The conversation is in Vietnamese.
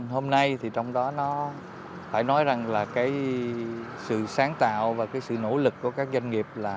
hôm nay thì trong đó nó phải nói rằng là cái sự sáng tạo và cái sự nỗ lực của các doanh nghiệp là